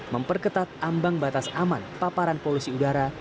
memperketat ambang batas aman paparan polusi udara